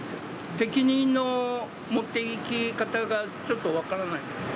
責任の持っていき方がちょっと分からないんですよ。